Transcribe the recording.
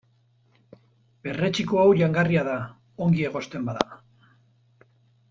Perretxiko hau jangarria da, ongi egosten bada.